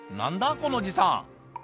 このおじさん。